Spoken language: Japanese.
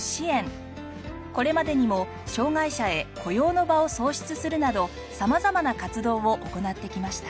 これまでにも障がい者へ雇用の場を創出するなど様々な活動を行ってきました。